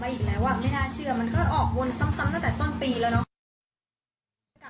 อีกแล้วอ่ะไม่น่าเชื่อมันก็ออกวนซ้ำตั้งแต่ต้นปีแล้วเนาะ